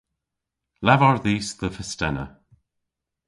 Lavar dhis dhe fistena.